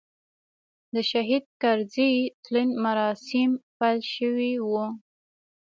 د شهید کرزي تلین مراسیم پیل شوي و.